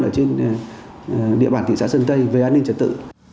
ở trên địa bàn thị xã sơn tây về an ninh trật tự